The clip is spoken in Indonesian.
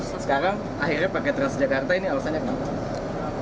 sekarang akhirnya pakai transjakarta ini alasannya kenapa